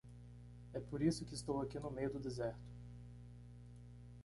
É por isso que estou aqui no meio do deserto.